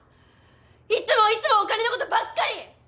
いつもいつもお金のことばっかり！